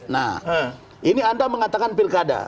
nah ini anda mengatakan pilkada